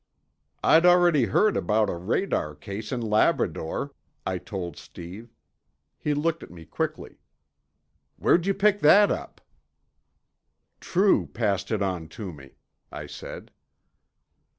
"I'd already heard about a radar case in Labrador," I told Steve. He looked at me quickly. "Where'd you pick that up;" "True passed it on to me," I said.